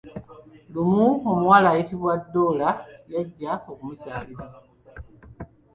Lumu omuwala ayitibwa Doola yajja okumukyalira.